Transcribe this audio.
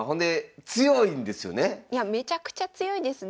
めちゃくちゃ強いですね。